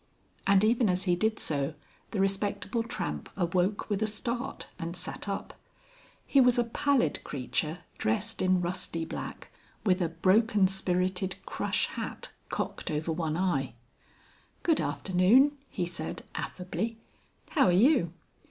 And even as he did so the Respectable Tramp awoke with a start and sat up. He was a pallid creature, dressed in rusty black, with a broken spirited crush hat cocked over one eye. "Good afternoon," he said affably. "How are you?"